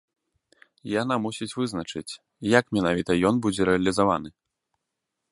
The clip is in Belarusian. Яна мусіць вызначыць, як менавіта ён будзе рэалізаваны.